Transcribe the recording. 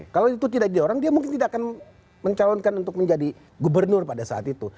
kalau itu tidak diorang dia mungkin tidak akan mencalonkan untuk menjadi gubernur pada saat itu